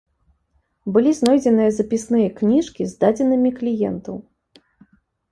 Былі знойдзеныя запісныя кніжкі з дадзенымі кліентаў.